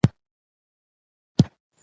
نه تر کلي سوای چا تېل را رسولای